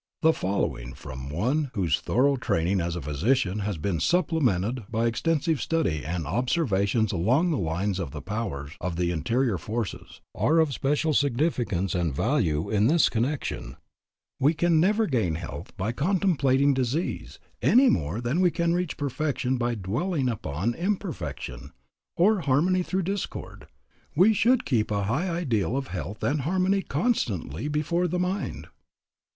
The following from one whose thorough training as a physician has been supplemented by extensive study and observations along the lines of the powers of the interior forces, are of special significance and value in this connection: "We can never gain health by contemplating disease, any more than we can reach perfection by dwelling upon imperfection, or harmony through discord. We should keep a high ideal of health and harmony constantly before the mind.